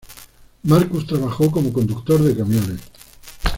Marcus trabajó como conductor de camiones.